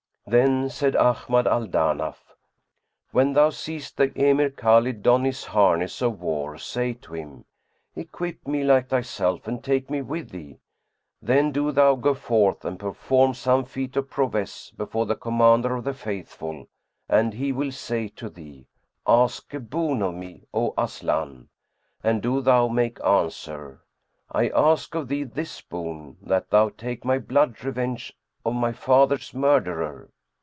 Then said Ahmad al Danaf, "When thou seest the Emir Khбlid don his harness of war, say to him, 'Equip me like thyself and take me with thee.' Then do thou go forth and perform some feat of prowess before the Commander of the Faithful, and he will say to thee, 'Ask a boon of me, O Aslan!' And do thou make answer, 'I ask of thee this boon, that thou take my blood revenge on my father's murderer.'